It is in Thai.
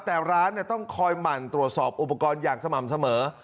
แต่ร้านต้องคอยหมั่นตรวจสอบอุปกรณ์อย่างสม่ำเสมอ